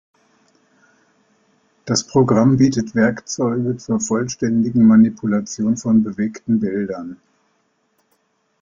Das Programm bietet Werkzeuge zur vollständigen Manipulation von bewegten Bildern.